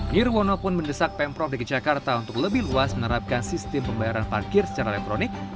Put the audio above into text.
nirwono pun mendesak pemprov dki jakarta untuk lebih luas menerapkan sistem pembayaran parkir secara elektronik